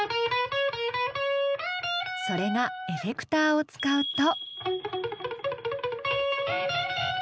それがエフェクターを使うと。